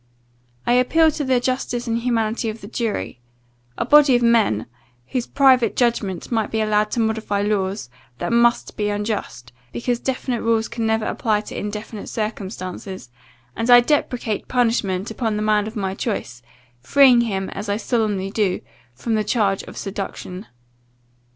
I appeal to the justice and humanity of the jury a body of men, whose private judgment must be allowed to modify laws, that must be unjust, because definite rules can never apply to indefinite circumstances and I deprecate punishment upon the man of my choice, freeing him, as I solemnly do, from the charge of seduction.